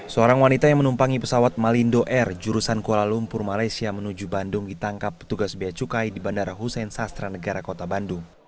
seorang wanita yang menumpangi pesawat malindo air jurusan kuala lumpur malaysia menuju bandung ditangkap petugas bea cukai di bandara hussein sastra negara kota bandung